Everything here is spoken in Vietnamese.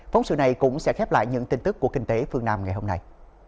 phóng sự này cũng sẽ khép lại những tin tức của kinh tế phương nam ngày hôm nay